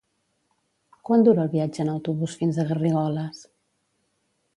Quant dura el viatge en autobús fins a Garrigoles?